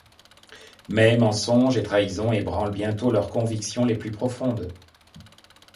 Mais mensonges et trahison ébranlent bientôt leurs convictions les plus profondes.